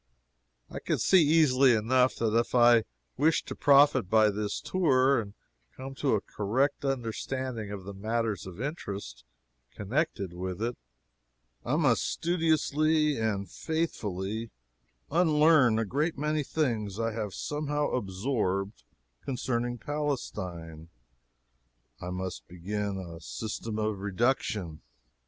I can see easily enough that if I wish to profit by this tour and come to a correct understanding of the matters of interest connected with it, I must studiously and faithfully unlearn a great many things I have somehow absorbed concerning Palestine. I must begin a system of reduction.